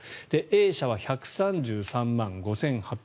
Ａ社は１３３万５８９７円